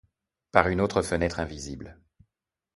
Par une autre fête invisible.